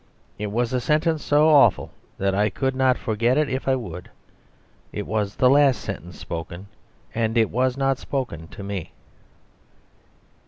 It was a sentence so awful that I could not forget it if I would. It was the last sentence spoken; and it was not spoken to me.